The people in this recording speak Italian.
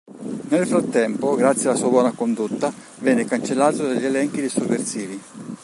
Nel frattempo, grazie alla sua buona condotta, venne cancellato dagli elenchi dei sovversivi.